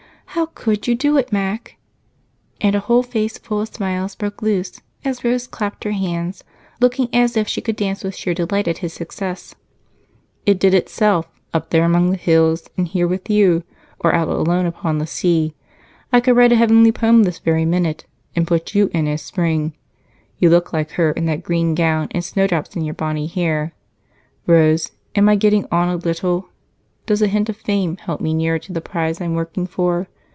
How could you do it, Mac?" And a whole face full of smiles broke loose as Rose clapped her hands, looking as if she could dance with sheer delight. "It did itself, up there among the hills, and here with you, or out alone upon the sea. I could write a heavenly poem this very minute, and put you in as Spring you look like her in that green gown with snowdrops in your bonny hair. Rose, am I getting on a little? Does a hint of fame help me nearer to the prize I'm working for?